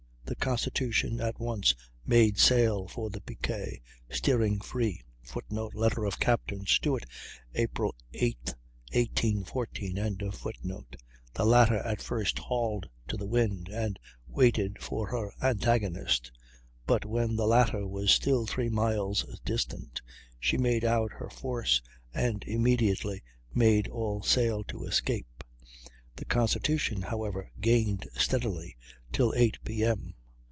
The Constitution at once made sail for the Pique, steering free; [Footnote: Letter of Capt. Stewart, April 8, 1814.] the latter at first hauled to the wind and waited for her antagonist, but when the latter was still 3 miles distant she made out her force and immediately made all sail to escape; the Constitution, however, gained steadily till 8 P.M.